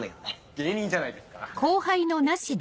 芸人じゃないですか。